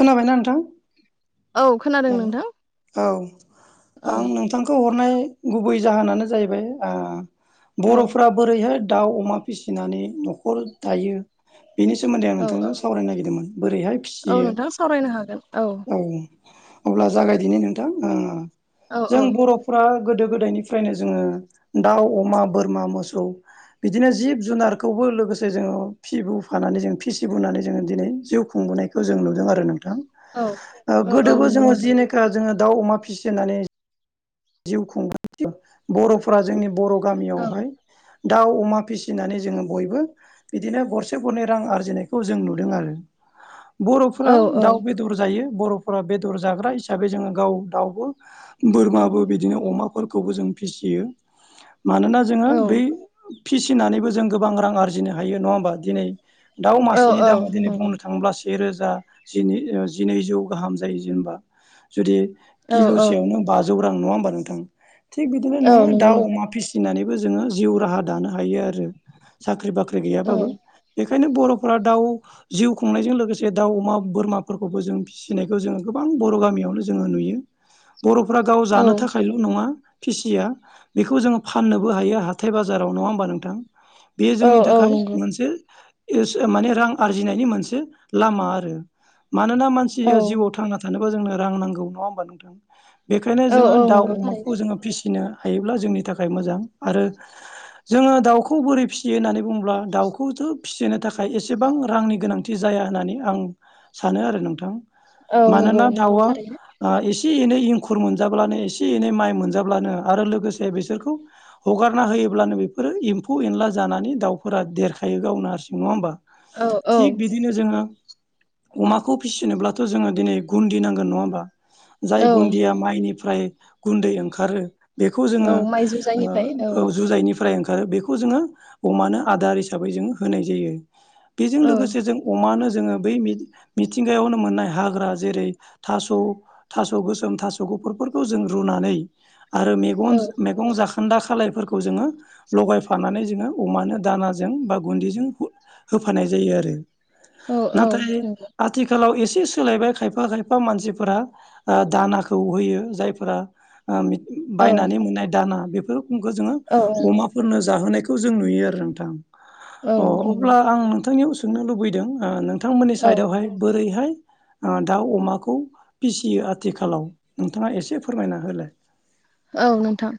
खोनाबायना नोंथां? औ खोनादों नोंथां औ औ आं नोंथांखौ हरनाय गुबै जाहोनानो जाहैबाय औ बर'फोरा बोरैहाय दाउ अमा फिसिनानै न'खर दायो बेनि सोमोनदै आं औ औ नोंथांजों सावरायनो नागिरदोंमोन बोरैहाय औ फिसियो नोंथां सावरायनो हागोन औ अब्ला जागायदिनि नोंथां ओ औ जों औ बर'फोरा गोदो गोदायनिफ्रायनो जोङो दाउ अमा बोरमा मोसौ बिदिनो जिब जुनारखौबो लोगो गोसे जोङो फि बुफानानै जों फिसि बुनानै जोङो दिनै जिउ खुंबोनायखौ जों नुदों आरो नों औ ओ गोदोबो जोङो जेनेखा जोङो दाउ अमा फिसिनानै जिउ खुंबोयोमोन बर'फोरा जोंनि बर' औ गामियावहाय दाउ अमा फिसिनानै जोङो बयबो बिदिनो गरसे गरनै रां आरजिनायखौ जों नुदों आरो बर'फोरा औ दाउ बेदर जायो बर'फोरा बेदर जाग्रा हिसाबै जोङो गाव दाउबो बोरमाबो बिदिनो अमाफोरखौबो जों फिसियो मानोना जोङो औ बै फिसिनानैबो जों गोबां रां आरजिनो हायो नङा होमबा दिनै दाउ औ मासेनि दामा दिनै बुंनो नंगौ थाङोब्लासो सेरोजा जि ओ जिनैजौ गाहाम जायो जेनबा जुदि औ किल'सेयावनो बाजौ रां नङा होमबा नोंथां थिग बिदिनो औ नोङो नंगौ नों दाउ अमा फिसि नानैबो जोङो जिउ राहा दानो हायो आरो साख्रि बाख्रि औ गैयाबाबो बेंखायनो बर'फोरा दाउ जिउ खुंनायजों लोगोसे दाउ अमा बोरमाफोरखौबो जों फिसिनायखौ जों गोबां बर' गामियावनो जोङो नुयो बर'फ्रा गाव जानो औ थाखायल' नङा फिसिया बेखौ जोङो फाननोबो हायो हाथाय बाजाराव नङा होमबा नोंथां बे जोंनि औ थाखाय नंगौ मोनसे एसे माने रां आरजिनायनि मोनसे लामा आरो मानोना औ मानसिया जिउआव थांना थानोबा जोंनो रां नांगौ नङा होमबा नोंथां बेखायनो औ जोङो औ दाउ नंगौ अमाखौ थारैनो जोङो फिसिनो हायोब्ला जोंनि थाखाय मोजां आरो जोङो दाउखौ बोरै फिसियो होननानै बुङोब्ला दाउखौथ' फिसिनो थाखाय एसेबां रांनि गोनांथि जाय या होननानै आं सानो आरो नोंथां औ नंगौ मानोना नंगौ दाउआ थारैनो [unintelligible] एसे एनै इंखुर मोनजाब्लानो एसे एसे एनै माइ मोनजाब्लानो आरो लोगोसे बेसोरखौ हगारना होयोब्लानो बेफोरो एमफौ एनला जायो जानानै दाउफोरा देरखायो गावनो हारसिं नङा होमबा औ औ थिग बिदिनो जोङो अमाखौ फिसिनोब्लाथ' जोङो दिनै गुनदि नांगोन नङा होमबा जाय औ गुनदिया माइनिफ्राय गुनदै ओंखारो बेखौ औ जोङो माइ ओ जुजायनिफ्राय औ जुजाइनिफ्राय ओंखार आरो बेखौ जोङो अमानो आदार हिसाबै जोङो होनाय जायो बेजों औ लोगोसे जों अमानो जोङो बै मि मिथिंगायावनो मोननाय हाग्रा जेरै थास' थास' गोसोम थास' गूपूरफोरखौ जों रूनानै आरो मेगं औ [unintelligible] मैगं जाखोनदा खालायफोरखौ फोरखौ जोङो लगायफानानै जोङो अमानो दानाजों बा गुनदैजों [unintelligible] होफानाय जायो आरो औ [inaudible] औ नाथाय नंगौ आथिखालाव एसे एसे सोलायबाय खायफा खायफा मानसिफोरा ओ दानाखौ होयो जायफोरा ओ औ बायनानै मोननाय दाना बेफोरफोरखौ जोङो औ अमाफोरनो जाहोनाय खौ जों नुयो आरो नोंथां औ अ नंगौ अब्ला आं नोंथांनियाव सोंनो लुबैदों ओ बिथांमोननि औ साइदयावहाय बोरैहाय ओ दाउ अमाखौ फिसियो आथिखालाव नोंथांआ एसे फोरमायना होलाय औ नोंथां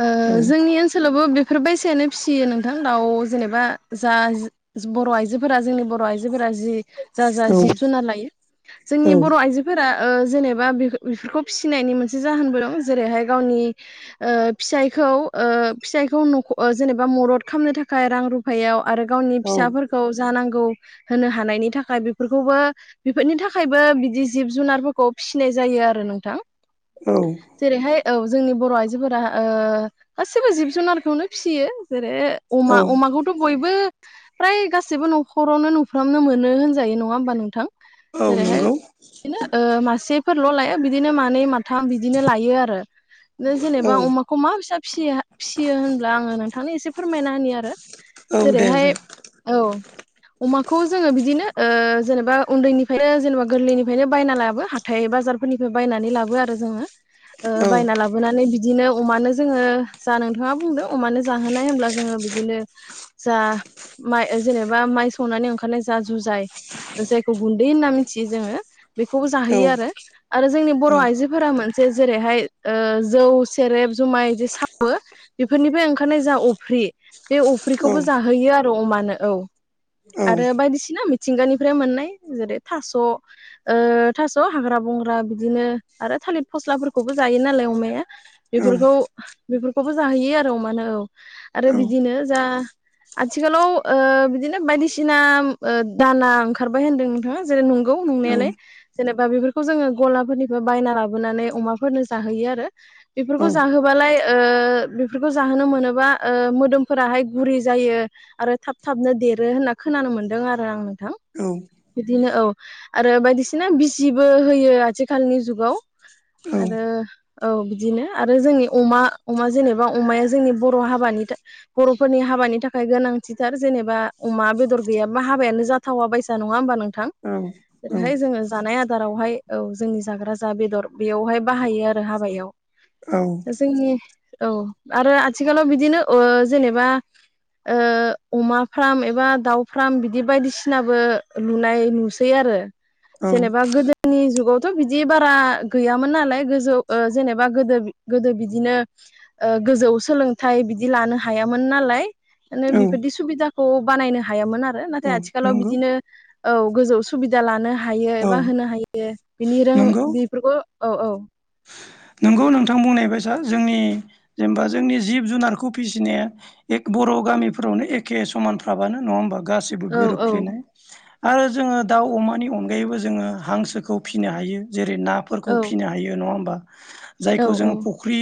ओ औ जोंनि ओनसोलावबो बेफोरबायसायानो फिसियो नोंथां दाउ जेनोबा जा बर' आइजोफोरा जोंनि बर' आइजोफोरा जि जा जा औ जिब जुनार लायो जोंनि बर' आइजोफोरा ओ जेनोबा बेफोरखौ फिसिनायनि मोनसे जाहोनबो दं जेरैहाय गावनि ओ फिसाइखौ ओ फिसाइखौ जेनोबा मदद खालामनो थाखाय रां रुफायाव आरो गावनि फिसाफोरखौ जा नांगौ होनो हानायनि थाखाय बेफोरखौबो बेफोरनि थाखायबो बेदि जिब जुनारफोरखौ फिसिनाय जायो जायो आरो नोंथां औ जेरैहाय औ जोंनि बर' आइजोफोरा ओ गासिबो जिब जुनारखौनो फिसियो जेरै अमा औ अमाखौथ' बयबो फ्राय गासिबो न'खरावनो नुफ्रामनो मोनो होनजायो नङा होमबा नोंथां औ जेरैहाय नंगौ बिदिनो ओ मासेफोर ल' लाया बिदिनो मानै माथाम बिदिनो लायो आरो ओ जेनोबा औ अमाखौ मा फिसा फियो फिसियो होनब्ला आङो नोंथांनो एसे फोरमायना होनि आरो औ दे जेरैहाय जा औ अमाखौ जोङो बिदिनो ओ जेनोबा उन्दैनिफ्रायनो जेनोबा गोरलैनिफ्रायनो बायना लाबो हाथाइ बाजारफोरनिफ्राय बायनानै लाबो आरो जोङो ओ औ बायना लाबोनानै बिदिनो अमानो जोङो जा नोंथांआ बुंदों अमानो जाहोनाय होनब्ला जोङो बिदिनो जा माइ जेनोबा माइ संनानै ओंखारनाय जा जुजाय जायखौ गुन्दै होनना मिथियो जोङो बेखौबो औ जाहोयो आरो आरो जोंनि बर' औ आइजोफोरा मोनसे जेरैहाय ओ जौ सेरेब जुमाय जे सावो बेफोरनिफ्राय ओंखारनाय जा अफ्रि बे औ औ अफ्रिखौबो जाहोयो आरो अमानो औ औ औ आरो बायदिसिना मिथिंगानिफ्राय मोननाय जेरै थास' ओ थास' हाग्रा बंग्रा बिदिनो आरो थालिर फस्लाफोरखौ बो जायो नालाय अमाया बेफोरखौ बेफोरखौबो जाहोयो आरो अमानो औ आरो बिदिनो जा आथिखालाव ओ बिदिनो बायदिसिना दाना ओंखारबाय होनदों नोंथाङा जेरै नंगौ नंनायाल जेनेबा बेफोरखौ जोङो गलाफोरनिफ्राय बायना लाबोनानै अमा फोरनो जाहोयो आरो बेफोरखौ जाहोबालाय ओ बेफोरखौ जाहोनो मोनोबा मोदोम फोराहाय गुरि जायो आरो थाब थाबनो देरो होनना खोनानो मोन्दों आरो आं नोंथां बिदिनो औ आरो बायदिसिना बिजिबो होयो आथिखालनि जुगाव आरो औ बिदिनो आरो जोंनि अमा अमा जेनेबा अमाया जोंनि बर' हाबानि बर'फोरनि हाबानि थाखाय गोनांथिथार जेनेबा अमा बेदर गैयाबा हाबायानो जाथावा बायसा नङा होमबा नों औ हाय जोङो जानाय आदारावहाय औ जोंनि जाग्रा जा बेदर बेयावहाय बाहायो आरो हाबायाव जोंनि औ आरो आथिखालाव बिदिनो ओ जेनेबा ओ अमा फ्राम एबा दाउ फ्राम बिदि बायदिसिनाबो लुनाय नुसै आरो जेनेबा गोदोनि जुगावथ' बिदि बारा गैयामोन नालाय गोजौ ओ जेनेबा गोदो बिदिनो गोजौ सोलोंथाइ बिदि लानो हायामोन। नालाय मे बेफोरदि सुबिदाखौ बानायनो हायामोन आरो नाथाय औ आथिखालाव नंगौ बिदिनो औ गोजौ सुबिदा लानो हायो औ एबा होनो हायो बिनि रों बेफोरखौ औ औ नोंगौ नोंथां बुंनाय बायसा जोंनि जेनेबा जोंनि जिब जुनारखौ फिसिनाया बर' गामिफोरावनो एखे समानफ्राबानो नङा होमबा गासिबो औ औ गोरोबफ्लेनाय आरो जोङो दाउ अमानि अनगायैबो जोङो हांसोखौ फिसिनो हायो जेरै नाफोरखौ फिसिनो हायो। नङा होमबा औ जायखौ जोङो फुख्रि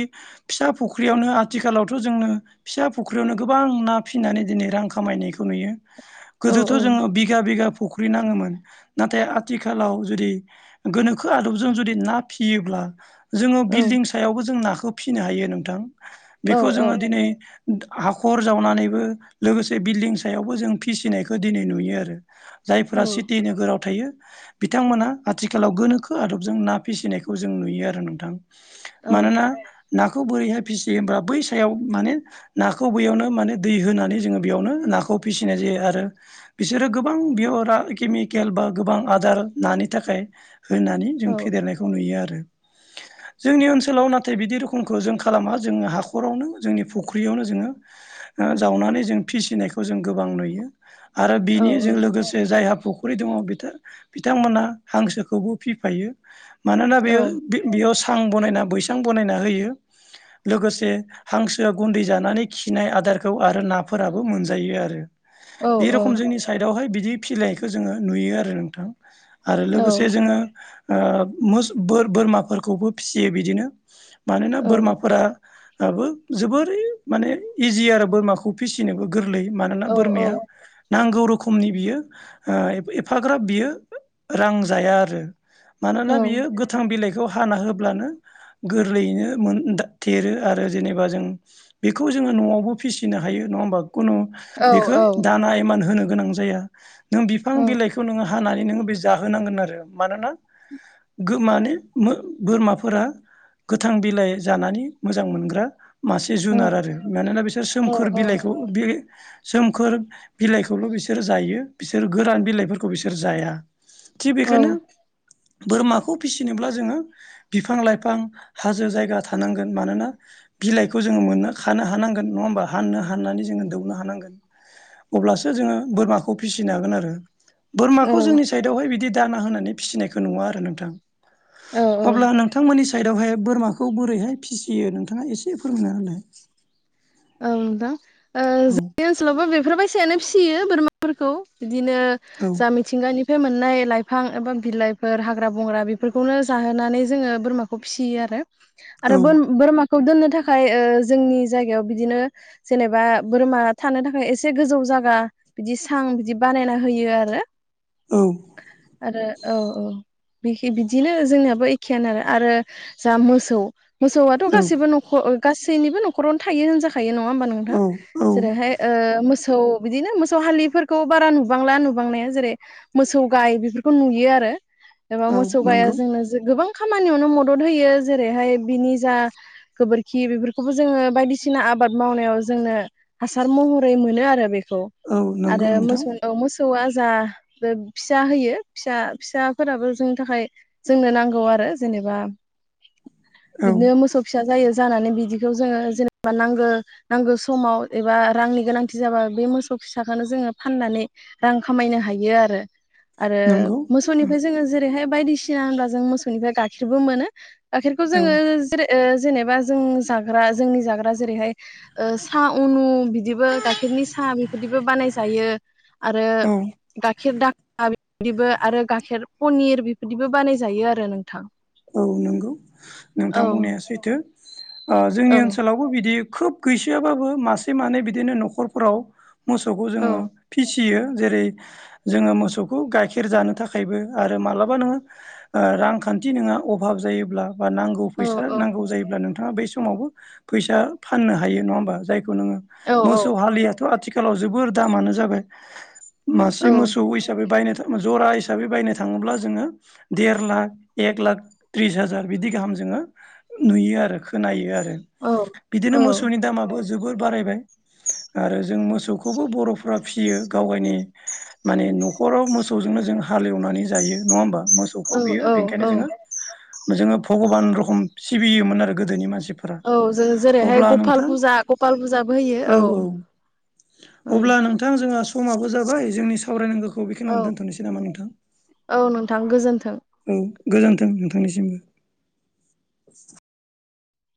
फिसा फख्रियावनो आथिखालावथ' जोंनो फिसा फख्रियावनो गोबां ना फिनानै दिनै रां खामायनायखौ नुयो औ गोदोथ' जोङो बिगा बिगा फुख्रि नाङोमोन नाथाय आथिखालाव जुदि गोनोखो आदबजों जुदि ना फियो ब्ला जोङो औ बिल्डिं सायावबो जों नाखौ फिसिनो हायो नोंथां औ बेखौ जोङो दिनै हाखर जावनानैबो लोगोसे बिल्दिं सायावबो जों फिसिनायखौ दिनै नुयो आरो जायफोरा सिटि नोगोराव थायो बिथांमोना आथिखालाव गोनोखो आदबजों ना फिसिनायखौ खौ जों नुयो आरो नोंथां औ मानोना नाखौ बोरैहाय फिसियो होमब्ला बै सायाव माने नाखौ बैयावनो माने दै होनानै जोङो बेयावनो नाखौ फिसिनाय जायो आरो बिसोरो गोबां बेयाव केमिकेल बा गोबां आदार नानि नि थाखाय होनानै जों औ फेदेरनायखौ नुयो आरो जोंनि ओनसोलाव नाथाय बिदि रोखोमखौ जों खालामा जोङो हाखरावनो जोंनि फुख्रियावनो जोङो जावनानै जों फिसिनायखौ जों गोबां नुयो आरो बिनिजों लोगोसे जायहा फुख्रि दङ बिथां बिथांमोना हांसोखौबो फिफायो मानोना बेयाव सां बानायना बैसां बनायना होयो। लोगोसे हांसोआ गुन्दै जानानै खिनाय आदारखौ आरो नाफोराबो मोनजायो आरो। बे रखम जोंनि साइडआवहाय बिदि फिसिनाइखौ जोङो नुयो आरो नोंथां। आरो लोगोसे जोङो मोस बोरमाफोरखौबो फिसियो बिदिनो मानोना बोरमाफोरा जोबोरै माने इजि आरो बोरमाखौ फिसिनोबो गोर मानोना बोरमाया गौ रोखोमनि बियो एफाग्राब बियो रां जाया आरो मानोना बियो गोथां बिलाइखौ हाना होब्लानो गोरलैयैनो देरो आरो जेनेबा जों बेखौ जोङो न'आवबो फिसिनो हायो नङा होमबा? खुनु बेखौ औ दाना एमान होनो गोनां जाया नों बिफां औ बिलाइखौ नोङो हाना नो जाहोनांगोन आरो मानोना माने बोरमाफोरा गोथां बिलाइ जानानै मोजां मोनग्रा मासे औ जुनार आरो मानोना बिसोर औ सोमखोर बिलाइखौ बे सोमखोर बिलाइखौल' बिसोरो जायो बिसोर गोरान बिलाइफोरखौ बिसोर जाया थिग औ बेखायनो बोरमाखौ फिसिनोब्ला जोङो बिफां लाइफां हाजो जायगा थानांगोन मानोना बिलाइखौ जों मोननो खानो हानांगोन नङा होमबा हाननो हाननानै जोङो दौनो हानांगोन अब्लासो जोङो बोरमाखौ फिसिनो हागोन आरो। बोरमाखौ जोंनि औ साइडआवहाय बिदि दाना होनानै फिसिनायखौ नुवा आरो नोंथां। औ औ अब्ला नोंथांमोननि साइदआवहाय बोरमाखौ बोरैहाय फिसियो नोंथाङा एसे फोरमायना होनाय औ नोंथां जोंनि ओनसोलावबो बेफोरबायसायानो फिसियो बोरमाफोरखौ बिदिनो औ जा मिथिंगानि बे मोननाय लाइफां एबा बिलाइफोर हाग्रा बंग्रा बेफोरखौनो जाहोनानै जोङो बोरमाखौ फिसियो आरो। औ आरो बोरमाखौ दोननो थाखाय जोंनि जायगायाव बिदिनो जेनेबा बोरमा थानो थाखाय एसे गोजौ जायगा बिदि सां बिदि बानायना हो फियो आरो औ आरो औ औ बिदिनो जोंनियाबो एखेयानो आरो आरो जा मोसौ मोसौआथ' औ गासैबो नख गासैनिबो न'खरावनो थायो होनजाखायो नङा। नङा होमबा औ नोंथां मोसौ बिदिनो मोसौ हालिफोरखौ बारा नुबांला नुबांनाया जेरै मोसौ गाय बेफोरखौ नुयो आरो। एबा औ मोसौ गाया नंगौ जोंनो गोबां खामानियावनो मदद होयो जेरैहाय बिनि जा गोबोरखि बेफोरखौबो जोङो बायदिसिना बायदिसिना आबाद मावनायाव जोंनो हासार महरै मोनो आरो बेखौ औ नंगौ आरो नोंथां फिसौआ जा बे फिसा होयो फिसा फिसाफोराबो जोंनि थाखाय जोंनो नांगौ आरो। आरो जेनेबा [inaudible] औ बिदिनो मोसौ फिसा जायो जानानै बिदिखौ जोङो जेनेबा बा नांगौ नांगौ समाव एबा रांनि गोनांथि जाबा बे मोसौ फिसाखौनो जोङो फाननानै रां खामायनो हायो आरो। आरो नंगौ मोसौनिफ्राय औ जोङो जेरैहाय बायदिसिना होनबा जों मोसौनिफ्राय गाइाखेरबो मोनो। गखेरखौ औ जोङो ज जेनेबा जों जाग्रा जोंनि जाग्रा जेरैहाय साहा उनु बिदिबो गाइखेरनि साहा बेफोरदिबो बानाय जायो आरो। गाइखेर दाखा बिदिबो आरो गाइखेर पनिर बेफोरदिबो बानायजायो आरो नोंथां औ नंगौ औ नोंथांमोननाया सैथो जोंनि औ ओनसोलावबो बिदि खोब गैसोयाबाबो मासे मानै बिदिनो न'खरफोराव मोसौखौ औ जोङो फिसियो जेरै जोङो मोसौखौ गाइखेर जानो थाखायबो आरो मालाबा नोङो रांखान्थि जुदि नोंङहा अभाब जायोब्ला बा नांगौ औ फैसा औ नांगौ जायोब्ला नों नाङा बै समावबो फैसा फाननो हायो नङा हबा जायखौ नोङो औ मोसौ हालियाथ आथिखाल आथिखालाव जोबोर दामानो जाबाय मासे औ मोसौ हिसाबै बायनो थाखाय जरा हिसाबै बायनो थाङोब्ला जोङो देर लाख एक लाख त्रिस हाजार बिदि गाहाम जोङो नुयो आरो खोनायो आरो। बिदिनो औ मोसौनि दामाबो जोबोर बारायबाय आरो जों मोसौखौबो बरफ्रा फिसियो गाव गावनि माने न'खराव मोसौजोंनो जों हालेवनानै जायो नङा होमबा? मोसौखौ बियो औ बेनिखायनो औ जोङो जोङो भगबान रोखम सिबियोमोन आरो गोदोनि मानसिफोर औ जों जेरैहाय गपाल फुजा गपाल फुजाबो होयो। औ औ अब्ला नोंथां जोंहा समाबो जाबाय जोंनि सावरायनांगौखौ खौ औ बेखनानै दोनथनोसै नामा नोंथां? औ नोंथां गोजोन्थों। औ गोजोन्थों नोंथांनिसिमबो